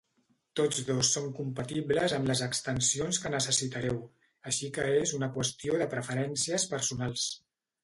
Tots dos són compatibles amb les extensions que necessitareu, així que és una qüestió de preferències personals.